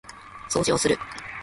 掃除をする